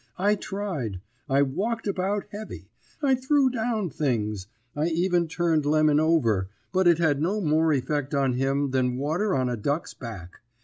I tried. I walked about heavy. I threw down things. I even turned Lemon over, but it had no more effect on him than water on a duck's back.